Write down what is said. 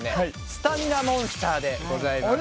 スタミナモンスターでございます。